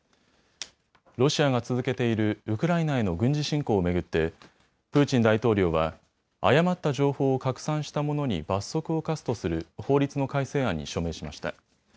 ロシアが続けているウクライナへの軍事侵攻を巡ってプーチン大統領は誤った情報を拡散した者に罰則を科すとする法律の改正案に署名しました。